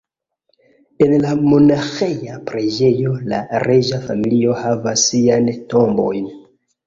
En la monaĥeja preĝejo la reĝa familio havas siajn tombojn.